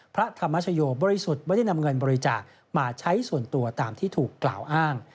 พระธรรมชโยบริสุทธิ์ไม่ได้นำเงินบริจาคมาใช้ส่วนตัวตามที่ถูกกล่าวอ้าง